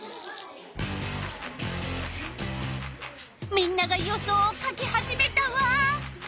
みんなが予想をかき始めたわ。